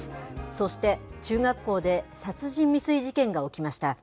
そして、中学校で殺人未遂事件が起きました。